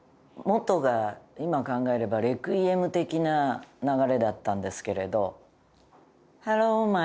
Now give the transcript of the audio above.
元が今考えればレクイエム的な流れだったんですけれど。